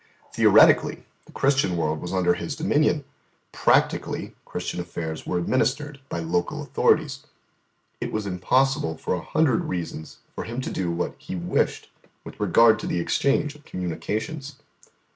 Theoretically, the Christian world was under His dominion; practically, Christian affairs were administered by local authorities. It was impossible for a hundred reasons for Him to do what He wished with regard to the exchange of communications.